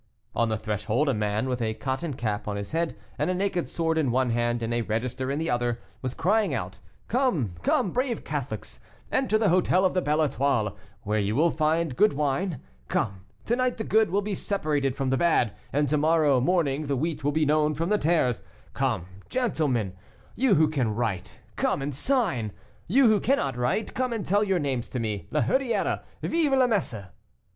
On the threshold a man, with a cotton cap on his head and a naked sword in one hand and a register in the other, was crying out, "Come come, brave Catholics, enter the hotel of the Belle Etoile, where you will find good wine; come, to night the good will be separated from the bad, and to morrow morning the wheat will be known from the tares; come, gentlemen, you who can write, come and sign; you who cannot write, come and tell your names to me, La Hurière; vive la messe!"